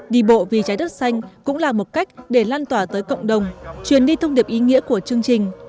đi bộ vì trái đất xanh cũng là một cách để lan tỏa tới cộng đồng truyền đi thông điệp ý nghĩa của chương trình